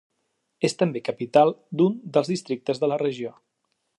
És també capital d'un dels districtes de la regió.